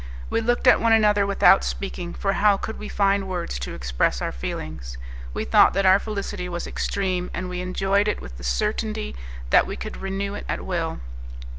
We looked at one another without speaking, for how could we find words to express our feelings? We thought that our felicity was extreme, and we enjoyed it with the certainty that we could renew it at will.